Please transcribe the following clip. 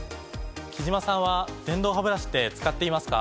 貴島さんは電動ハブラシって使っていますか？